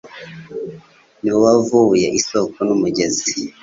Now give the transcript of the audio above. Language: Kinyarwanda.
Ni wowe wavubuye isoko n’umugezi